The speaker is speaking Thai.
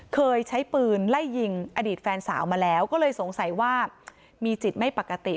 เคยใช้ปืนไล่ยิงอดีตแฟนสาวมาแล้วก็เลยสงสัยว่ามีจิตไม่ปกติ